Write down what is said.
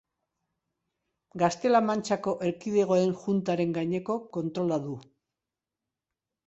Gaztela-Mantxako Erkidegoen Juntaren gaineko kontrola du.